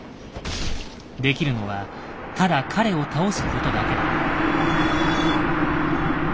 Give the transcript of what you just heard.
できるのはただ彼を倒すことだけだ。